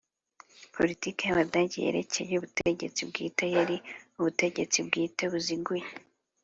politike y'abadage yerekeye ubutegetsi bwite yari ubutegetsi bwite buziguye